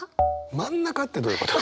「真ん中」ってどういうこと？